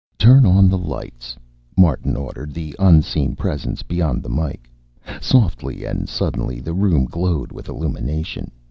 "Turn the lights on," Martin ordered the unseen presence beyond the mike. Softly and suddenly the room glowed with illumination.